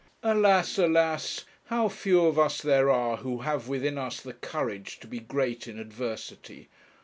Alas, alas! how few of us there are who have within us the courage to be great in adversity.